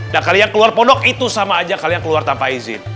dan kalian keluar pondok itu sama aja kalian keluar tanpa izin